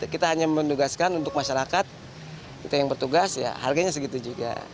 kita hanya mendugaskan untuk masyarakat kita yang bertugas ya harganya segitu juga